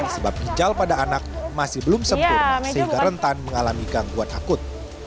sebab ginjal pada anak masih belum sempurna sehingga rentan mengalami gangguan akut